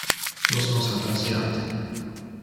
Nos nos ha basiate.